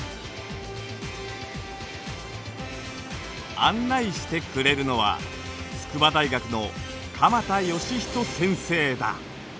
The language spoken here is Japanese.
案内してくれるのは筑波大学の鎌田祥仁先生だ。